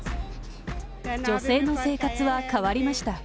女性の生活は変わりました。